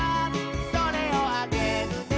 「それをあげるね」